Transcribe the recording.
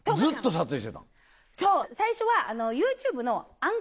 そう最初は。